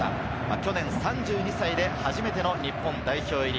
去年３２歳で初めての日本代表入り。